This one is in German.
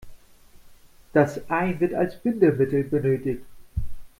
Das Ei wird als Bindemittel benötigt.